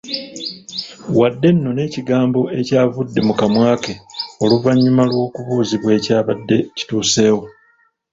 Wadde nno n’ekigamba ekyavudde mu kamwa ke oluvannyuma lw’okubuuzibwa ekyabadde kituseewo.